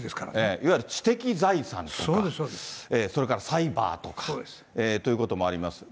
いわゆる知的財産とか、それからサイバーとか、ということもあります。